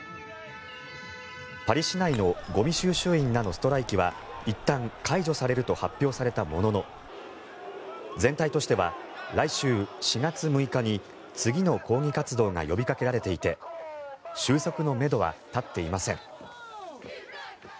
パリ市内のゴミ収集員らのストライキはいったん解除されると発表されたものの全体としては来週４月６日に次の抗議活動が呼びかけられていて収束のめどは立っていません。